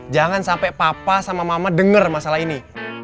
jangan sampe papa sama mama denger masalah ini